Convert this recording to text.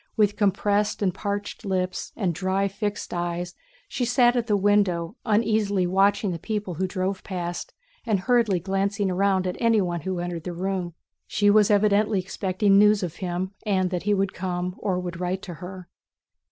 With compressed and parched lips and dry fixed eyes, she sat at the window, uneasily watching the people who drove past and hurriedly glancing round at anyone who entered the room. She was evidently expecting news of him and that he would come or would write to her.